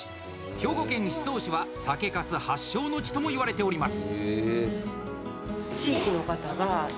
兵庫県宍粟市は、酒かす発祥の地ともいわれております。